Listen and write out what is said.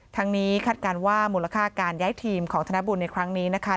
ทั้งนี้คาดการณ์ว่ามูลค่าการย้ายทีมของธนบุญในครั้งนี้นะคะ